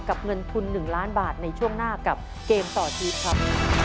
เงินทุน๑ล้านบาทในช่วงหน้ากับเกมต่อชีวิตครับ